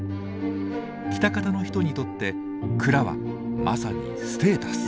喜多方の人にとって蔵はまさにステータス。